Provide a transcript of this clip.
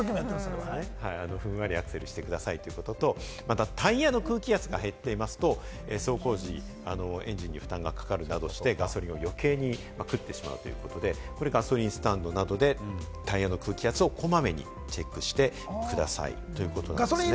またタイヤの空気圧が減っていますと、走行時、エンジンに負担がかかるなどしてガソリンを余計に食ってしまうので、これガソリンスタンドなどでタイヤの空気圧をこまめにチェックしてくださいということなんです。